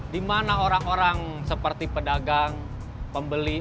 dimana orang orang seperti pedagang pembeli